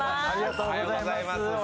ありがとうございます